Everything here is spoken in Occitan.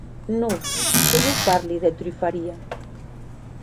Non, que non parli de trufaria.